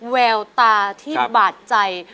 แววตาที่บาดใจ